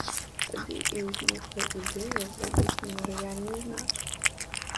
Тады і ўзнікла ідэя зрабіць мемарыяльны знак.